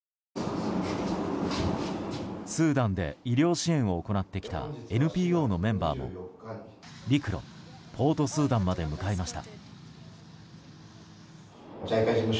スーダンで医療支援を行ってきたＮＰＯのメンバーも陸路、ポートスーダンまで向かいました。